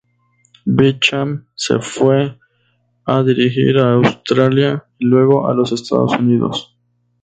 Beecham se fue a dirigir a Australia y luego a los Estados Unidos.